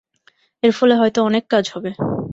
এর ফলে হয়তো অনেক কাজ হবে।